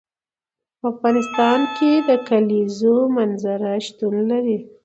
په افغانستان کې د کلیزو منظره شتون لري.